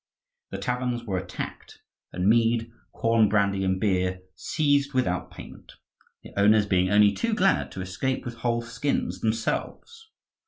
The taverns were attacked and mead, corn brandy, and beer seized without payment, the owners being only too glad to escape with whole skins themselves.